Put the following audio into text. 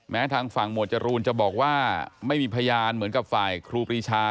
ทางฝั่งหมวดจรูนจะบอกว่าไม่มีพยานเหมือนกับฝ่ายครูปรีชา